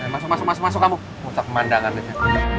masuk masuk masuk masuk kamu mau cek pemandangannya